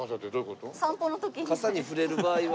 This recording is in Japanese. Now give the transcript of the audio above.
「カサに触れる場合は」。